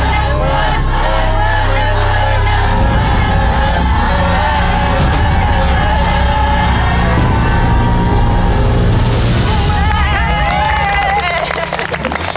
๑บาท